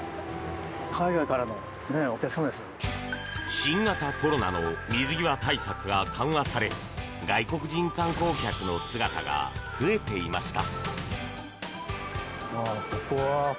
新型コロナの水際対策が緩和され外国人観光客の姿が増えていました。